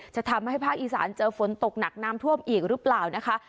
จะทำให้ภาคอีสานเจอฝนตกหนักน้ำท่วมอีกหรือเปล่านะคะ